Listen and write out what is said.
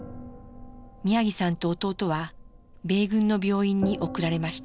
宮城さんと弟は米軍の病院に送られました。